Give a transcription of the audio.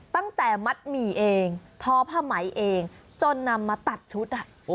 ตั้งแต่มัดหมี่เองทอผ้าไหมเองจนนำมาตัดชุด